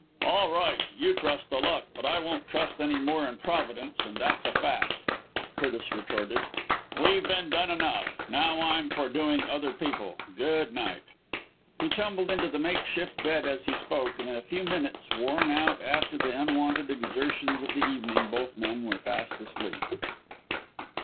"All right you trust to luck but I won't trust any more in Providence, and that's a fact," Curtis retorted. "We've been done enough. Now I'm for doing other people. Good night." He tumbled into the makeshift bed as he spoke; and in a few minutes, worn out after the unwonted exertions of the evening, both men were fast asleep.